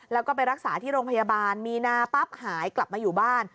แล้วก็ไปรักษาที่โรงพยาบาลมีนาปั๊บหายกลับมาอยู่บ้าน